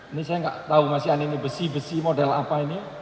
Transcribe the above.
ini saya nggak tahu mas yani ini besi besi model apa ini